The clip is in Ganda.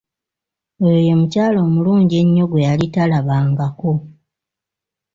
Oyo ye mukyala omulungi ennyo gwe yali talababangako.